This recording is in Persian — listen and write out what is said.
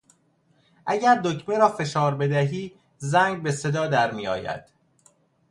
اگر دکمه را فشار بدهی زنگ به صدا در میآید.